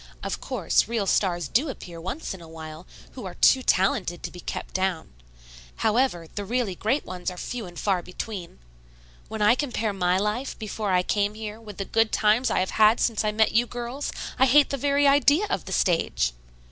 Of course real stars do appear once in a while, who are too talented to be kept down. However, the really great ones are few and far between. When I compare my life before I came here with the good times I have had since I met you girls, I hate the very idea of the stage.